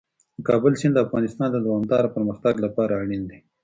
د کابل سیند د افغانستان د دوامداره پرمختګ لپاره اړین دی.